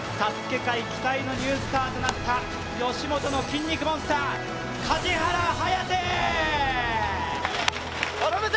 界期待のニュースターとなった吉本の筋肉モンスター、梶原颯。